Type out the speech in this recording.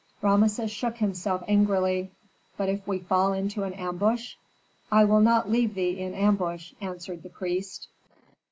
Rameses shook himself angrily. "But if we fall into an ambush?" "I will not leave thee in ambush," answered the priest.